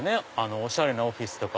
おしゃれなオフィスとか。